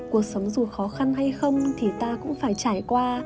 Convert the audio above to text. cuộc sống dù khó khăn hay không thì ta cũng phải trải qua